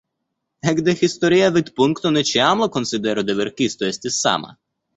Ekde historia vidpunkto ne ĉiam la konsidero de verkisto estis sama.